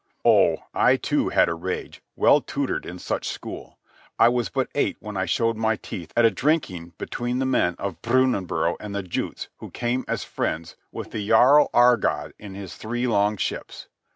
Oh, I, too, had a rage, well tutored in such school. I was but eight when I showed my teeth at a drinking between the men of Brunanbuhr and the Juts who came as friends with the jarl Agard in his three long ships.